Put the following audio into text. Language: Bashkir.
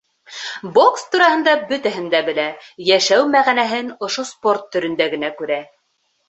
Бокс тураһында бөтәһен дә белә, йәшәү мәғәнәһен ошо спорт төрөндә генә күрә.